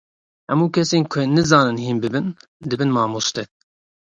Hemû kesên ku nizanin hîn bibin, dibin mamoste.